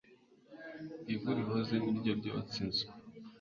ivu rihoze ni ryo ryotsa inzu